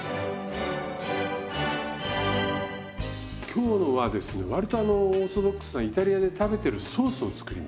今日のはですね割とあのオーソドックスなイタリアで食べてるソースを作ります。